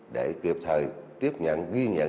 để kịp thời tiếp nhận ghi nhận